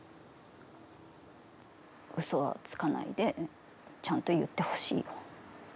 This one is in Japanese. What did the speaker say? うそはつかないでちゃんと言ってほしい。